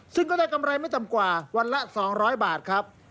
ซึ่งก็ได้กำไรไม่ต่ำกว่าวันละ๒๐๐บาทครับ